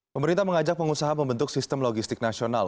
pemerintah mengajak pengusaha membentuk sistem logistik nasional